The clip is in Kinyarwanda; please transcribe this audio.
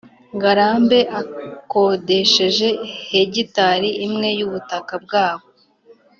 ngarambe akodesheje hegitali imwe y’ubutaka bwabo.